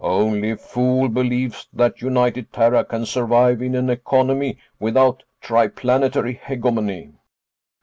"Only a fool believes that United Terra can survive in an economy without tri planetary hegemony.